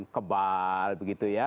kebal begitu ya